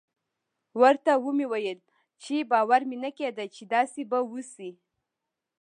ورته ومې ويل چې باور مې نه کېده چې داسې به وسي.